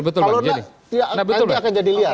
kalau enggak nanti akan jadi liar